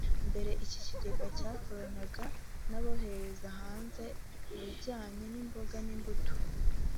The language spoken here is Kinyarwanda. Mbere iki kigega cyakoranaga n’abohereza hanze ibijyanye n’imboga n’imbuto